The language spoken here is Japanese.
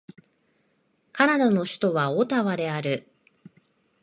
カナダの首都はオタワである